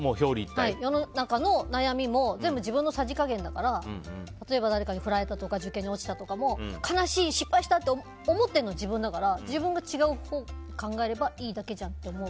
世の中の悩みも全部自分のさじ加減だから例えば、誰かに振られたとか受験に落ちたとかも悲しい、失敗したって思ってるのは自分だから自分が違うほうを考えればいいだけじゃんっていう。